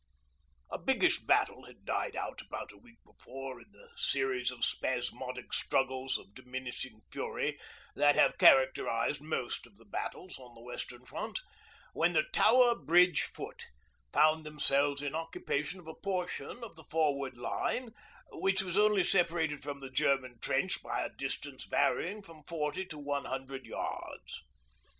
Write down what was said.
A biggish battle had died out about a week before in the series of spasmodic struggles of diminishing fury that have characterised most of the battles on the Western Front, when the Tower Bridge Foot found themselves in occupation of a portion of the forward line which was only separated from the German trench by a distance varying from forty to one hundred yards.